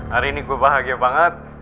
hari ini gue bahagia banget